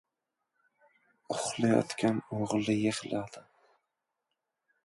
Uxlayotgan o‘g‘li yig‘ladi.